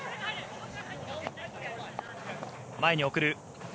前に送る。